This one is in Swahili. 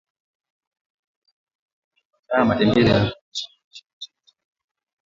andaa matembele yako kwa kuosha na kukausha